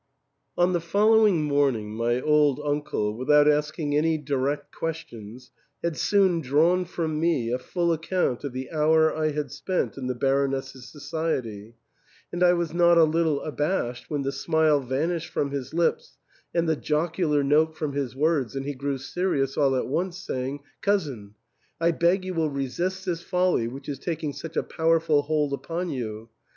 On the following morning my old uncle, without asking any direct questions, had soon drawn from me a full account of the hour I had spent in the Baroness's society, and I was not a little abashed when the smile vanished from his lips and the jocular note from his words, and he grew serious all at once, sapng, "Cousin, I beg you will resist this folly which is taking such a powerful hold upon you.